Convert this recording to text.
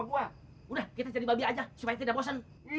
wah udah kita jadi babi aja supaya tidak bosen